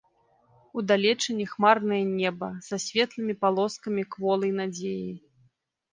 Удалечыні хмарнае неба, са светлымі палоскамі кволай надзеі.